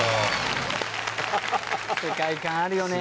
世界観あるよね